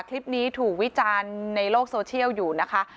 คลิปนี้ถูกวิจารณ์ในโลกโซเชียลอยู่นะคะ